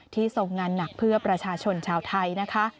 ทรงงานหนักเพื่อประชาชนชาวไทยนะคะ